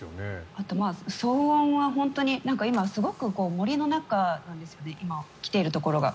あと、騒音は本当に今すごく森の中なんですよね来ているところが。